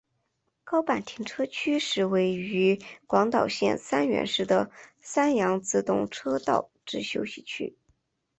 高坂停车区是位于广岛县三原市的山阳自动车道之休息区。